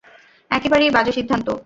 একেবারেই বাজে সিদ্ধান্ত।